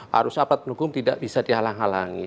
harusnya apat penukung tidak bisa dihalang halangi